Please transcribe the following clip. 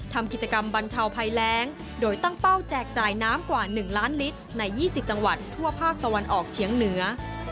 ทำกิจกรรมบรรเทาภัยแรงโดยตั้งเป้าแจกจ่ายน้ำกว่า๑ล้านลิตรใน๒๐จังหวัดทั่วภาคตะวันออกเฉียงเหนือ